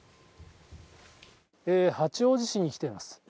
八王子市に来ています。